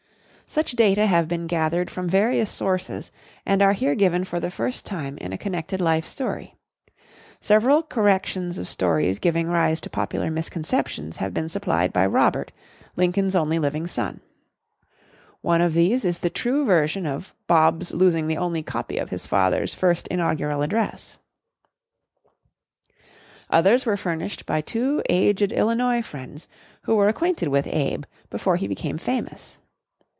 Such data have been gathered from various sources and are here given for the first time in a connected life story. Several corrections of stories giving rise to popular misconceptions have been supplied by Robert, Lincoln's only living son. One of these is the true version of "Bob's" losing the only copy of his father's first inaugural address. Others were furnished by two aged Illinois friends who were acquainted with "Abe" before he became famous.